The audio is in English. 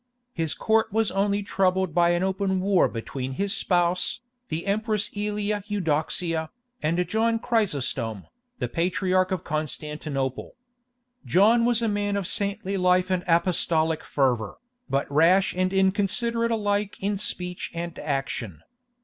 His court was only troubled by an open war between his spouse, the Empress Ælia Eudoxia, and John Chrysostom, the Patriarch of Constantinople. John was a man of saintly life and apostolic fervour, but rash and inconsiderate alike in speech and action.